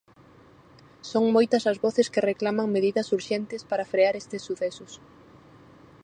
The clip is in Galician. Son moitas as voces que reclaman medidas urxentes para frear estes sucesos.